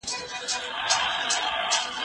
زه کتابونه نه ليکم؟!؟!